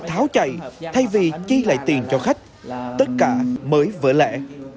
tháo chạy thay vì chi lại tiền cho khách tất cả mới vỡ lẻ